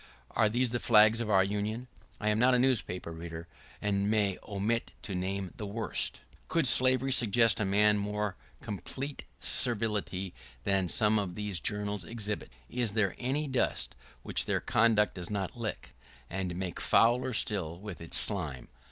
Are these the Flags of our Union? I am not a newspaper reader, and may omit to name the worst. [¶29] Could slavery suggest a more complete servility than some of these journals exhibit? Is there any dust which their conduct does not lick, and make fouler still with its slime?